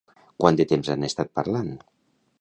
Quant de temps han estat parlant?